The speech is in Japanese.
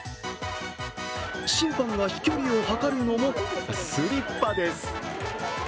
審判が飛距離を測るのもスリッパです。